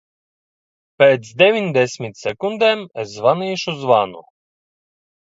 Pēc deviņdesmit sekundēm es zvanīšu zvanu.